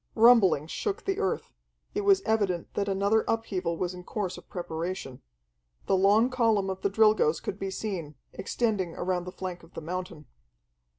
Rumblings shook the earth; it was evident that another upheaval was in course of preparation. The long column of the Drilgoes could be seen, extending around the flank of the mountain.